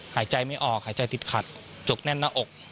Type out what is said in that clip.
หายใจไม่ออกหายใจติดขัดจกแน่นหน้าอก